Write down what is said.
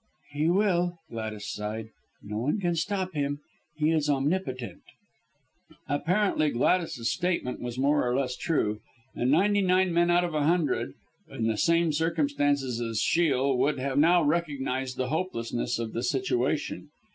"He will," Gladys sighed. "No one can stop him. He is omnipotent." Apparently, Gladys's statement was more or less true; and ninety nine men out of a hundred, in the same circumstances as Shiel, would have now recognized the hopelessness of the situation.